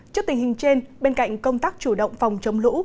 trước tình hình trên bên cạnh công tác chủ động phòng chống lũ